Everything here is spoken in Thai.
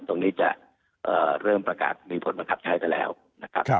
ตรงนี้จะเอ่อเริ่มประกาศมีผลประกับใช้ไปแล้วนะครับครับ